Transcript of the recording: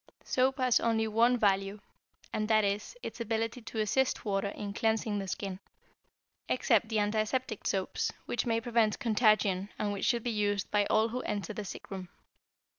Soap has only one value, and that is, its ability to assist water in cleansing the skin, except the antiseptic soaps, which may prevent contagion and which should be used by all who enter the sick room.